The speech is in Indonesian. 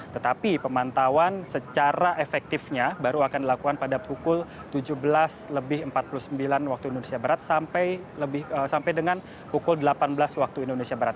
tetapi pemantauan secara efektifnya baru akan dilakukan pada pukul tujuh belas lebih empat puluh sembilan waktu indonesia barat sampai dengan pukul delapan belas waktu indonesia barat